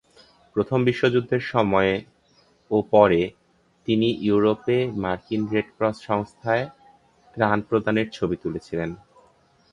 প্রথম বিশ্বযুদ্ধের সময়ে ও পরে তিনি ইউরোপে মার্কিন রেড ক্রস সংস্থায় ত্রাণ প্রদানের ছবি তুলেছিলেন।